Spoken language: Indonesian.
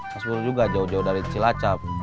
mas bro juga jauh jauh dari cilacap